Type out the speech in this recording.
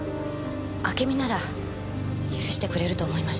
あけみなら許してくれると思いました。